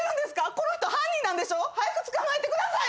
この人犯人なんでしょ？早く捕まえてくださいよ！